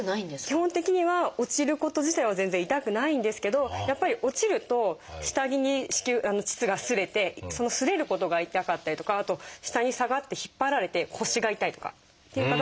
基本的には落ちること自体は全然痛くないんですけどやっぱり落ちると下着に腟が擦れてその擦れることが痛かったりとかあと下に下がって引っ張られて腰が痛いとかっていう方もいますね。